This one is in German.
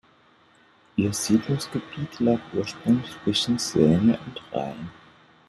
Ihr Siedlungsgebiet lag ursprünglich zwischen Seine und Rhein.